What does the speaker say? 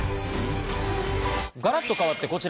ガラッと変わってこちら。